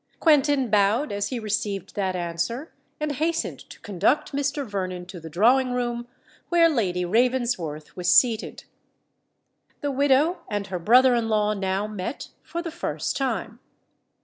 Quentin bowed as he received that answer, and hastened to conduct Mr. Vernon to the drawing room where Lady Ravensworth was seated. The widow and her brother in law now met for the first time.